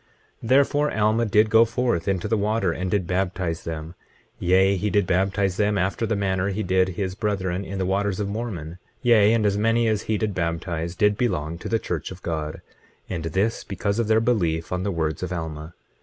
25:18 Therefore, Alma did go forth into the water and did baptize them; yea, he did baptize them after the manner he did his brethren in the waters of Mormon; yea, and as many as he did baptize did belong to the church of God; and this because of their belief on the words of Alma.